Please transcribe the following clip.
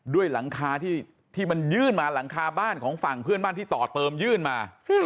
ด้วยหลังคาที่มันยื่นมาหลังคาบ้านของฝั่งเพื่อนบ้านที่ต่อเติมยื่นมา